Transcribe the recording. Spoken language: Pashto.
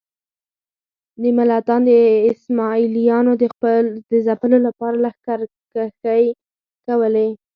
د ملتان د اسماعیلیانو د ځپلو لپاره لښکرکښۍ کولې.